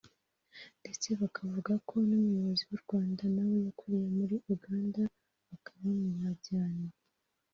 ndetse bakabavuga ko n’umuyobozi w’u Rwanda nawe yakuriye muri Uganda bakaba bamwubaha cyane